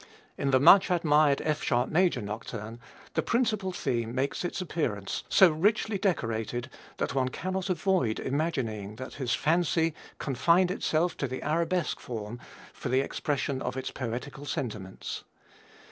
In the much admired F sharp major Nocturne the principal theme makes its appearance so richly decorated that one cannot avoid imagining that his fancy confined itself to the Arabesque form for the expression of its poetical sentiments.